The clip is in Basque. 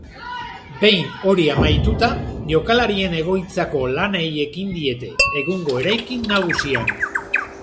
Behin hori amaituta, jokalarien egoitzako lanei ekin diete, egungo eraikin nagusian.